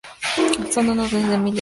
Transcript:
De estos unos mil eran orientales.